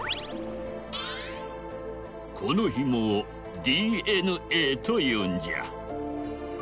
このヒモをＤＮＡというんじゃ。